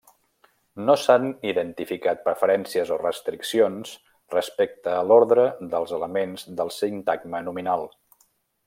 No s'han identificat preferències o restriccions respecte a l'ordre dels elements del sintagma nominal.